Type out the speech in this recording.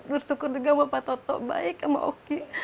bersyukur juga sama pak toto baik sama oki